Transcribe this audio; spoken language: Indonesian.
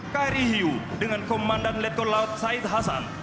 kri hiu dengan komandan letkol laut said hasan